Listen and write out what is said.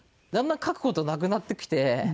だんだん書く事なくなってきて。